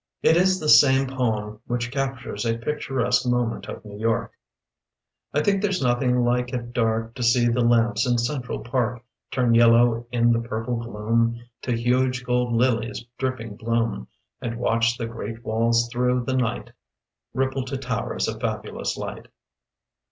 It is this same poem which captures a picturesque moment of New York: I think there's nothing like at dark To see the lamps in Central Park Turn yellow in the purple gloom To huge gold lilies dripping bloom ; And watch the great walls through the night Ripple to towers of fabulous light.